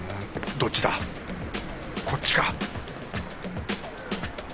どっちだこっちか